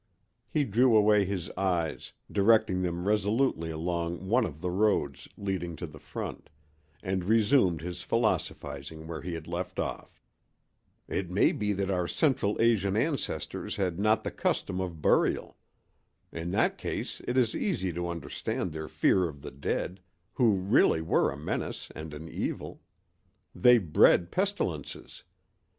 He drew away his eyes, directing them resolutely along one of the roads leading to the front, and resumed his philosophizing where he had left off. "It may be that our Central Asian ancestors had not the custom of burial. In that case it is easy to understand their fear of the dead, who really were a menace and an evil. They bred pestilences.